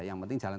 yang penting jalan